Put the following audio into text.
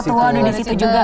mertua udah di situ juga